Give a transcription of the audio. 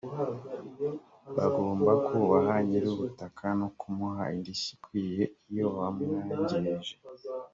bagomba kubaha nyirubutaka no kumuha indishyi ikwiye iyo bamwangirije